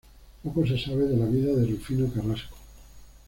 Poco se sabe de la vida de Rufino Carrasco.